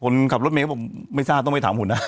คนขับรถเมย์ก็บอกไม่ทราบต้องไปถามผมนะ